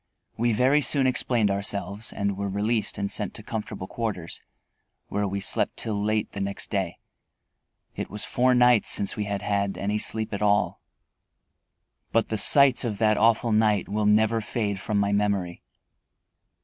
We very soon explained ourselves and were released and sent to comfortable quarters, where we slept till late the next day. It was four nights since we had had any sleep at all. But the sights of that awful night will never fade from my memory.